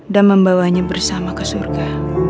dan membawanya bersama ke surga